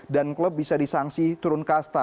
dan klub bisa disangsi turun kasta